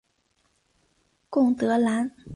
贡德兰。